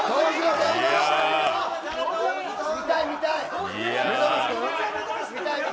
見たい、見たい。